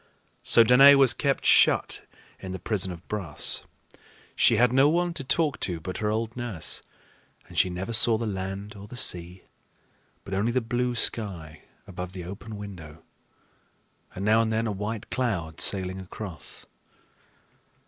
So Danaë was kept shut up in the prison of brass. She had no one to talk to but her old nurse; and she never saw the land or the sea, but only the blue sky above the open window and now and then a white cloud sailing across.